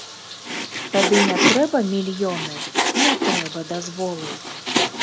Тады не трэба мільёны, не трэба дазволы.